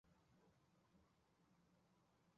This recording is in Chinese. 大将军以下各级环卫官也作为武臣责授散官。